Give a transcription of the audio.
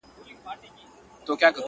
په ټول ښار کي مي دښمن دا یو قصاب دی-